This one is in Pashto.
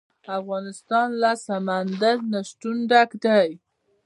افغانستان له سمندر نه شتون ډک دی.